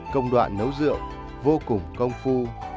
công đoạn nấu rượu vô cùng công phu